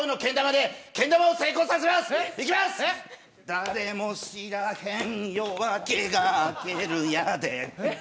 誰も知らへん夜明けが明けるやで。